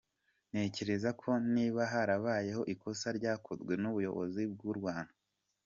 Ntekereza ko niba harabayeho ikosa, ryakozwe n’ubuyobozi bw’u Rwanda.